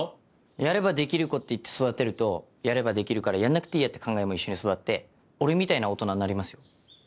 やれば出来る子って言って育てるとやれば出来るからやんなくていいやっていう考えも一緒に育って俺みたいな大人になりますよ。